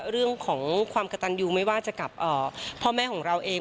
เรื่องของความกระตันยูไม่ว่าจะกับพ่อแม่ของเราเอง